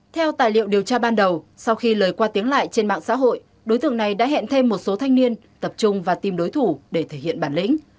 theo tài liệu điều tra ban đầu sau khi lời qua tiếng lại trên mạng xã hội đối tượng này đã hẹn thêm một số thanh niên tập trung và tìm đối thủ để thể hiện bản lĩnh